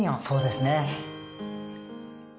そうですね。